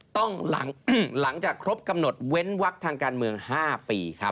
หลังจากครบกำหนดเว้นวักทางการเมือง๕ปีครับ